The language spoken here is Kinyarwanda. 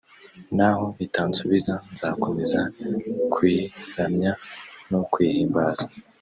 n’aho itansubiza nzakomeza kuyiramya no kuyihimbaza